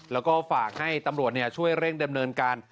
แล้วก็ฝากให้ตำรวจช่วยเร่งดำเนินการ